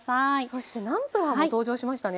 そしてナンプラーも登場しましたね。